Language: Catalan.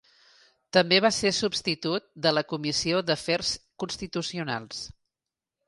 També va ser substitut de la Comissió d'Afers Constitucionals.